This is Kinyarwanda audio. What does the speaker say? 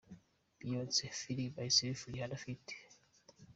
Beyoncé – Feeling Myself rihanna ft.